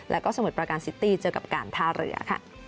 แล้วก็สมุทรประการซิตี้เจอกับการท่าเรือค่ะ